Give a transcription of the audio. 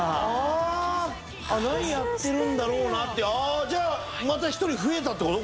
あっ何やっているんだろうなって学習してんねやあじゃあまた１人増えたってこと？